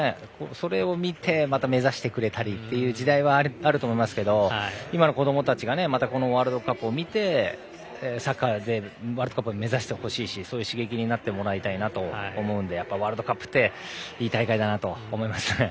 それを見てまた目指してくれたりという時代はあると思いますけど今の子どもたちが今度のワールドカップを見てサッカーでワールドカップを目指してほしいしそういう刺激になってもらいたいと思うのでワールドカップっていい大会だなと思いますね。